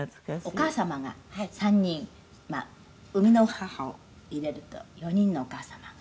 「お母様が３人まあ産みの母を入れると４人のお母様が？」